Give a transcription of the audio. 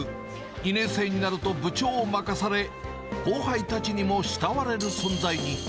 ２年生になると部長を任され、後輩たちにも慕われる存在に。